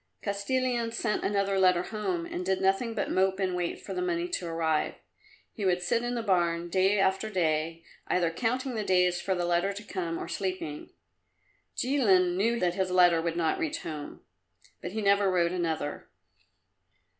Kostilin sent another letter home and did nothing but mope and wait for the money to arrive. He would sit in the barn day after day, either counting the days for the letter to come or sleeping. Jilin knew that his letter would not reach home, but he never wrote another.